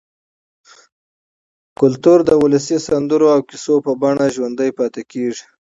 فرهنګ د ولسي سندرو او کیسو په بڼه ژوندي پاتې کېږي.